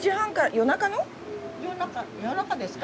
夜中夜中ですか？